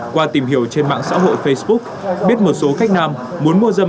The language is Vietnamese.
qua tìm hiểu trên mạng xã hội facebook biết một số khách nam muốn mua dâm